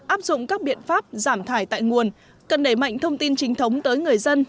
áp dụng các biện pháp giảm thải tại nguồn cần nảy mạnh thông tin chính thống tới người dân